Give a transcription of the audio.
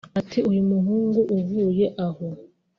Ati uyu muhungu uvuye aho